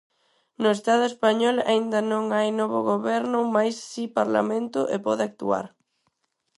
No Estado español aínda non hai novo goberno mais si Parlamento e pode actuar.